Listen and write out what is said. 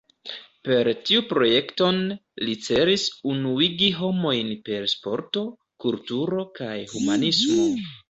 Per tiu projekton, li celis “Unuigi homojn per Sporto, Kulturo kaj Humanismo“.